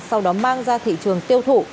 sau đó mang ra thị trường tiêu thụ